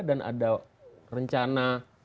dan ada rencana